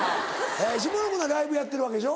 下野君はライブやってるわけでしょ？